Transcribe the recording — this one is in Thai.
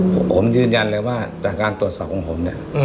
ผมยืนยันเลยว่าจากการตรวจสอบของผมเนี่ย